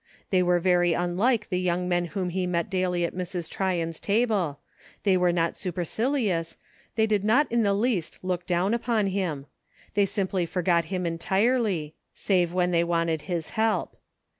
They were very unlike the young men whom he met daily at Mrs. Tryon's table ; they were not supercilious ; they did not in the least look down upon him ; they simply forgot him entirely, save when they wanted his help.